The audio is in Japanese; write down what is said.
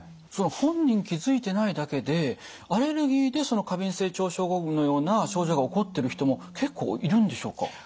本人気付いてないだけでアレルギーでその過敏性腸症候群のような症状が起こってる人も結構いるんでしょうか？